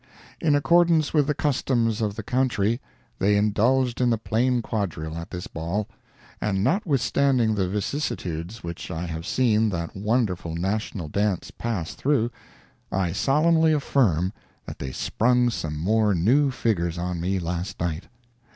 In accordance with the customs of the country, they indulged in the plain quadrille at this ball. And notwithstanding the vicissitudes which I have seen that wonderful national dance pass through, I solemnly affirm that they sprung some more new figures on me last night.